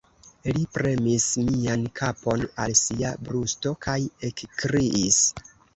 Li premis mian kapon al sia brusto kaj ekkriis: